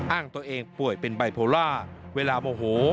อ้างตัวเองป่วยเป็นไบโพล่าเวลาโมโห